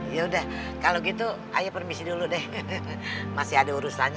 ya udah kalau gitu ayo permisi dulu deh masih ada urusannya